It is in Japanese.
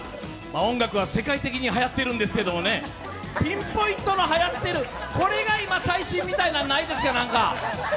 音楽は世界的にはやっているんですけれどもね、ピンポイントのはやってる、これが今最新みたいなのがないですか？